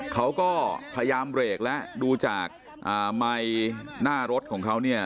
เขาก็พยายามเบรกแล้วดูจากไมค์หน้ารถของเขาเนี่ย